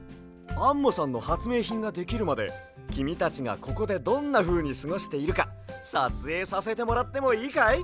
アンモさんのはつめいひんができるまできみたちがここでどんなふうにすごしているかさつえいさせてもらってもいいかい？